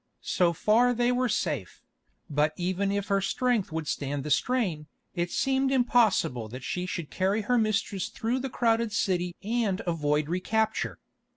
So far they were safe; but even if her strength would stand the strain, it seemed impossible that she should carry her mistress through the crowded city and avoid recapture.